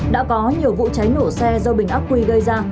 đã có nhiều vụ cháy nổ xe do bình ác quy gây ra